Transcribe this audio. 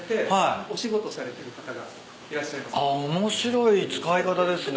あっ面白い使い方ですね。